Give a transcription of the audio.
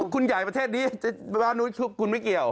คุณใหญ่ประเทศนี้บ้านนู้นคุณไม่เกี่ยว